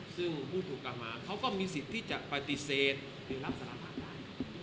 ซึ่งผู้ถูกกล่าวหาเขาก็มีสิทธิ์ที่จะปฏิเสธหรือรับสารภาพได้